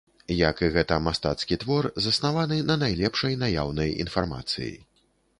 Як і гэта мастацкі твор, заснаваны на найлепшай наяўнай інфармацыі.